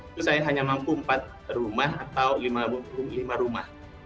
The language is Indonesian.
itu saya hanya mampu empat rumah atau lima rumah